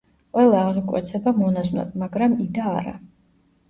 ყველა აღიკვეცება მონაზვნად, მაგრამ იდა არა.